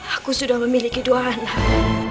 aku sudah memiliki dua anak